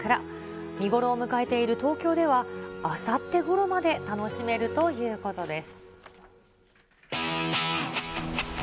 見頃を迎えている東京では、あさってごろまで楽しめるということです。